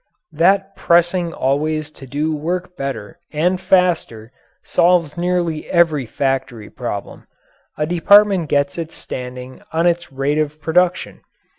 That pressing always to do work better and faster solves nearly every factory problem. A department gets its standing on its rate of production.